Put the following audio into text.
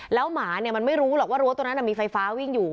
แล้วหมามันไม่รู้หรอกว่ารั้วตรงนั้นมีไฟฟ้าวิ่งอยู่